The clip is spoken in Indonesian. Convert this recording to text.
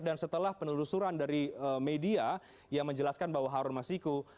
dan setelah penelusuran dari media yang menjelaskan bahwa harun masiku